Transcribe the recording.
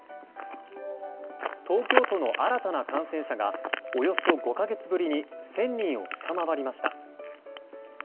東京都の新たな感染者がおよそ５か月ぶりに１０００人を下回りました。